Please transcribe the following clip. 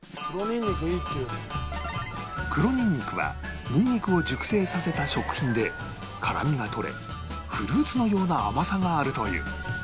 黒ニンニクはニンニクを熟成させた食品で辛みが取れフルーツのような甘さがあるという